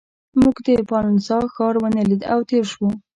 موږ د پالنزا ښار ونه لید او تېر شوو.